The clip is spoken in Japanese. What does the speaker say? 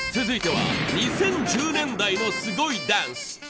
続いては２０１０年代のすごいダンス。